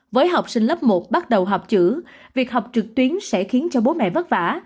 với học sinh lớp một bắt đầu học chữ việc học trực tuyến sẽ khiến cho bố mẹ vất vả